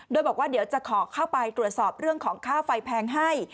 โดยบอกว่าเดี๋ยวจะขอเข้าไปตรวจสอบเรื่องของค่าไฟแพงให้